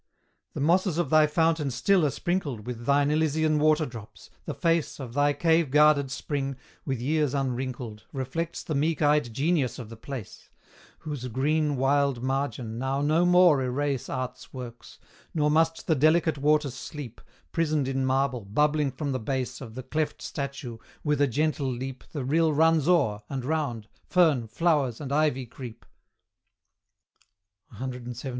The mosses of thy fountain still are sprinkled With thine Elysian water drops; the face Of thy cave guarded spring, with years unwrinkled, Reflects the meek eyed genius of the place, Whose green wild margin now no more erase Art's works; nor must the delicate waters sleep, Prisoned in marble, bubbling from the base Of the cleft statue, with a gentle leap The rill runs o'er, and round, fern, flowers, and ivy creep, CXVII.